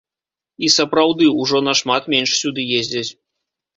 І, сапраўды, ужо нашмат менш сюды ездзяць.